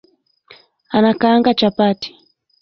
Anakaanga chapati